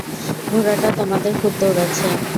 ঘোড়াটা তোমাদের খুব দৌড়াচ্ছে।